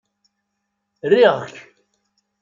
Riɣ-k.